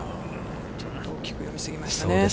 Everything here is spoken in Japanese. ちょっと大きく読みすぎましたね。